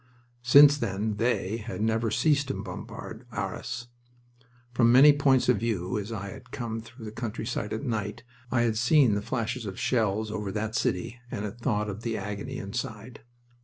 Since then "They" had never ceased to bombard Arras. From many points of view, as I had come through the countryside at night, I had seen the flashes of shells over that city and had thought of the agony inside.